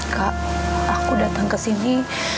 kak aku datang kesini